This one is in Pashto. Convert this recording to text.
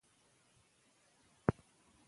که زده کړه کې بریا وي، نو خوشحالۍ رامنځته کېږي.